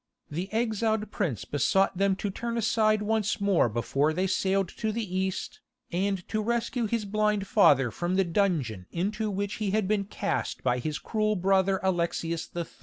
The exiled prince besought them to turn aside once more before they sailed to the East, and to rescue his blind father from the dungeon into which he had been cast by his cruel brother Alexius III.